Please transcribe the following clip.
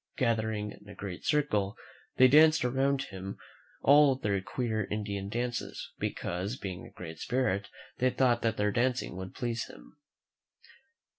Gathering in a great circle, they danced around him all their queer Indian dances, because, being a great spirit, they thought that their dancing would please him.